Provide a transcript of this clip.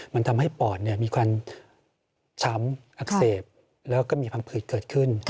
มันทำให้ปอดมีความช้ำอักเสบแล้วก็มีความผืดเกิดขึ้น